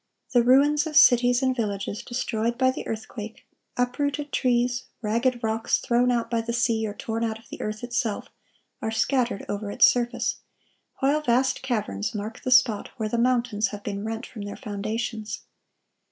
The ruins of cities and villages destroyed by the earthquake, uprooted trees, ragged rocks thrown out by the sea or torn out of the earth itself, are scattered over its surface, while vast caverns mark the spot where the mountains have been rent from their foundations.